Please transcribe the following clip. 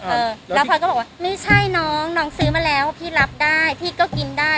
เออแล้วพลอยก็บอกว่าไม่ใช่น้องน้องซื้อมาแล้วพี่รับได้พี่ก็กินได้